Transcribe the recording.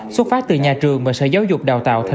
xuất phát từ nhà trường và sở giáo dục đào tạo tp hcm